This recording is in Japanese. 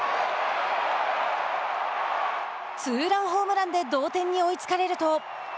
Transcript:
ツーランホームランで同点に追いつかれると。